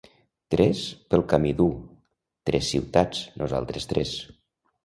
"Tres pel camí dur, tres ciutats, nosaltres tres.